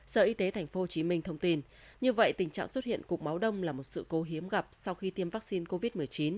sở y tế tp hcm thông tin như vậy tình trạng xuất hiện cục máu đông là một sự cố hiếm gặp sau khi tiêm vaccine covid một mươi chín